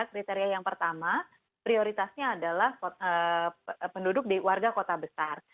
kriteria yang pertama prioritasnya adalah penduduk di warga kota besar